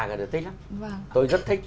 tôi thích lắm tôi rất thích